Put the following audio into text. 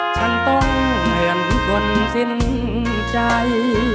ฉันต้องเหมือนคนสิ้นใจ